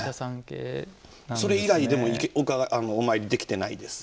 それ以来お詣りできてないです。